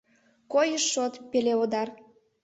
Койыш-шот, пелеодар